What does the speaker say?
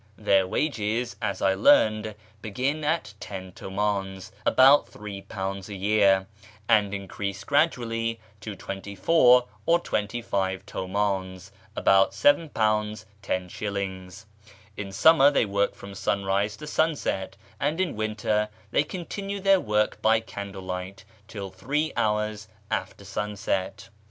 Their wages, as I learned, begin at ten tilmdns (about £3) a year, and increase gradually to twenty four or twenty five tumdns (about £7 : 10s.). In summer they work from sunrise to sunset, and in winter they continue their work by candle light till three hours after sunset.